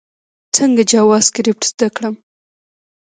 څنګه جاواسکريپټ زده کړم؟